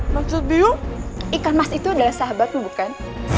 maksud biu ikan mas itu adalah sahabatmu bukan